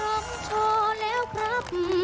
พร้อมชอบแล้วครับ